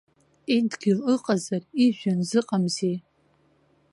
Идгьыл ыҟазар, ижәҩан зыҟамзеи?!